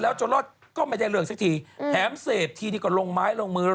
จนรอดก็ไม่ได้เรื่องสักทีแถมเสพทีนี่ก็ลงไม้ลงมือ